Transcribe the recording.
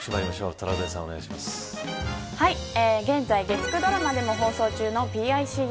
トラウデ現在月９ドラマでも放送中のＰＩＣＵ